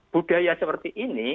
budaya seperti ini